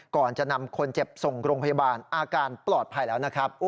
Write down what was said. ก่อนจะนำคนเจ็บส่งโรงพยาบาลอาการปลอดภัยแล้วนะครับ